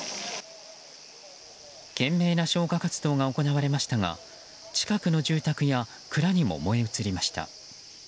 懸命な消火活動が行われましたが近くの住宅や蔵にも燃え移りました。